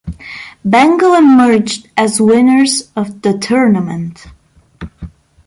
Bengal emerged as winners of the tournament.